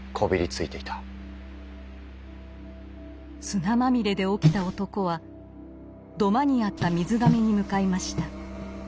砂まみれで起きた男は土間にあった水甕に向かいました。